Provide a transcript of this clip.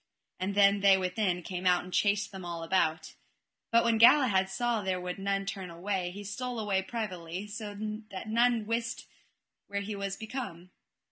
And then they within came out and chased them all about. But when Galahad saw there would none turn again he stole away privily, so that none wist where he was become.